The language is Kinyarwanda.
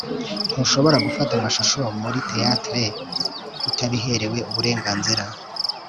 ntushobora gufata amashusho muri theatre utabiherewe uburenganzira